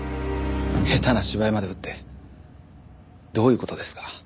下手な芝居まで打ってどういう事ですか？